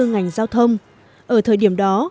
ngành giao thông ở thời điểm đó